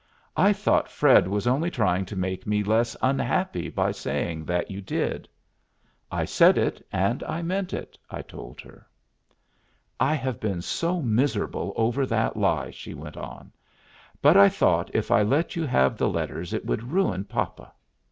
"I thought Fred was only trying to make me less unhappy by saying that you did." "I said it, and I meant it," I told her. "I have been so miserable over that lie," she went on; "but I thought if I let you have the letters it would ruin papa.